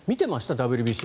ＷＢＣ。